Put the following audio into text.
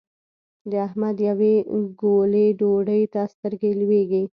د احمد يوې ګولې ډوډۍ ته سترګې لوېږي.